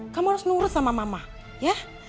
kamu harus nurut sama mama ya